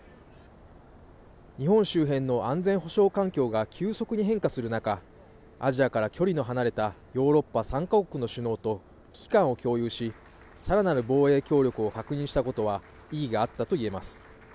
日本周辺の安全保障環境が急速に変化する中、アジアから距離の離れたヨーロッパ３か国の首脳と危機感を共有し、更なる防衛協力を確認したことは意義があったと言えます。